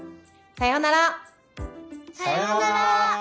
さようなら。